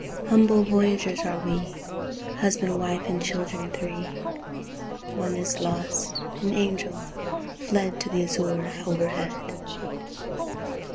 Humble voyagers are we, Husband, wife, and children three (One is lost an angel, fled To the azure overhead!)